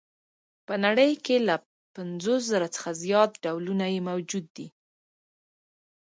په نړۍ کې له پنځوس زره څخه زیات ډولونه یې موجود دي.